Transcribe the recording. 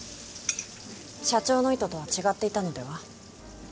社長の意図とは違っていたのでは？